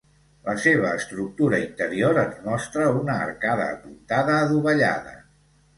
La seva estructura interior ens mostra una arcada apuntada adovellada.